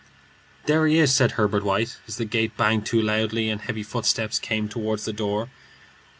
"There he is," said Herbert White, as the gate banged to loudly and heavy footsteps came toward the door.